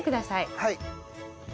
はい。